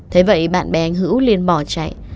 thế vậy bạn bè anh hữu liền bỏ chạy